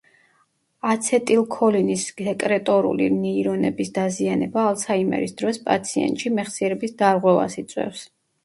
აცეტილქოლინის სეკრეტორული ნეირონების დაზიანება, ალცჰაიმერის დროს, პაციენტში მეხსიერების დარღვევას იწვევს.